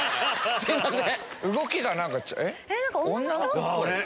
すいません！